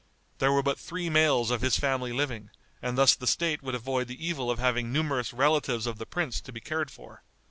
There were but three males of his family living, and thus the State would avoid the evil of having numerous relatives of the prince to be cared for.